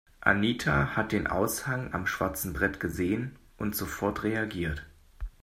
Anita hat den Aushang am schwarzen Brett gesehen und sofort reagiert.